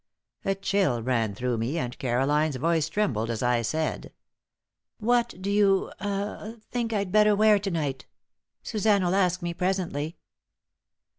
A chill ran through me, and Caroline's voice trembled as I said: "What do you ah think I'd better wear to night? Suzanne'll ask me presently."